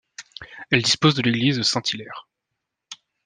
Elle dispose de l'église Saint-Hilaire.